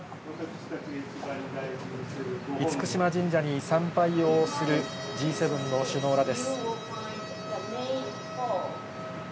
厳島神社に参拝をする、Ｇ７の首脳らです。